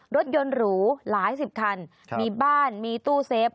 รถยนต์หรูหลายสิบคันมีบ้านมีตู้เซฟ